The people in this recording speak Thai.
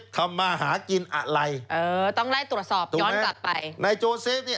กินอะไรเออต้องไล่ตรวจสอบย้อนกลับไปถูกไหมนายโจเซฟเนี่ย